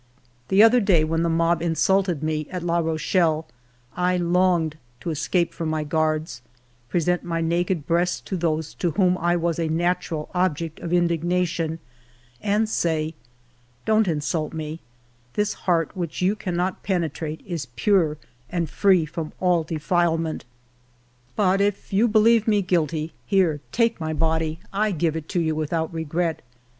"The other day when the mob insulted me at La Rochelle, I longed to escape from my guards, present my naked breast to those to whom I was a natural object of indignation and say :' Don't Insult me ; this heart which you cannot penetrate is pure and free from all defilement ; 8o FIVE YEARS OF MY LIFE but if you believe me guilty, here, take my body, I give it to you without regret.'